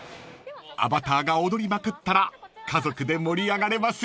［アバターが踊りまくったら家族で盛り上がれますよ］